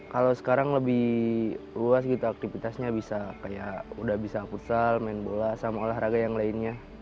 kalau sekarang lebih luas gitu aktivitasnya bisa kayak udah bisa futsal main bola sama olahraga yang lainnya